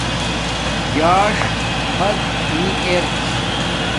ژݳݽ فت نی ار